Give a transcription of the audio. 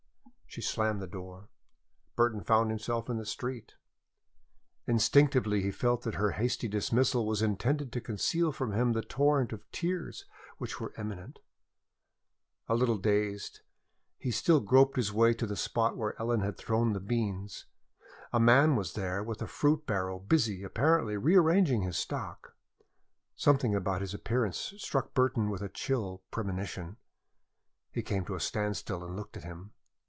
She slammed the door. Burton found himself in the street. Instinctively he felt that her hasty dismissal was intended to conceal from him the torrent of tears which were imminent. A little dazed, he still groped his way to the spot where Ellen had thrown the beans. A man was there with a fruit barrow, busy, apparently, rearranging his stock. Something about his appearance struck Burton with a chill premonition. He came to a standstill and looked at him.